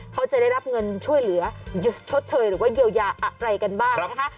เขาจะได้รับเงินช่วยเหลือชดเชยหรือว่าเยียวยาอะไรกันบ้างนะคะ